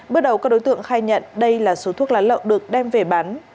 bước đầu các đối tượng khai nhận đây là số thuốc lá lậu được đem về bán